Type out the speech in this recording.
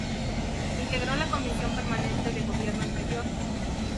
Integró la Comisión Permanente de Gobierno Interior.